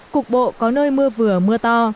cục bộ có nơi mưa vừa mưa to